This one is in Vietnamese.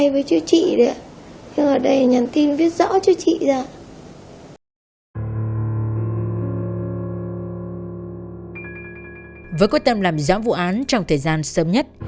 với quyết tâm làm rõ vụ án trong thời gian sớm nhất